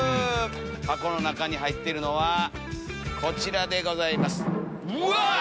箱の中に入ってるのはこちらでございます。